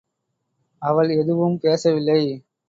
அவள் எதுவும் பேசவில்லை.